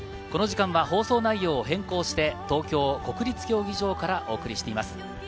この時間は放送内容を変更して東京国立競技場からお送りしています。